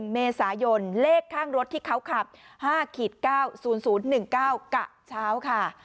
๑เมษายนเลขข้างรถที่เขาขับ๕๙๐๐๑๙กะเช้าค่ะ